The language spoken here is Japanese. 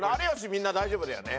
みんな大丈夫だよね？